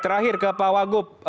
terakhir ke pak wakup